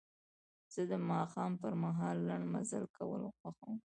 زه د ماښام پر مهال لنډ مزل کول خوښوم.